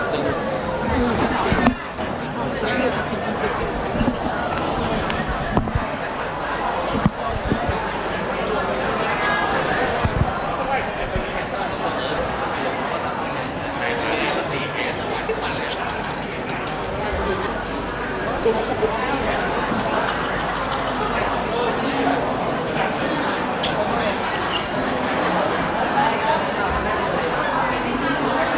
โหไม่แน่นอนครับขอบคุณนะครับพี่